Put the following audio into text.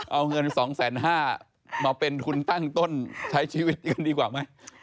เอาเงิน๒๕๐๐บาทมาเป็นทุนตั้งต้นใช้ชีวิตกันดีกว่าไหม